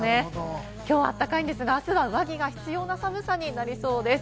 今日は暖かいんですが、明日は上着が必要な寒さになりそうです。